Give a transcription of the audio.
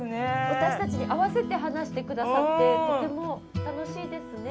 私たちに合わせて話してくださってとても楽しいですね。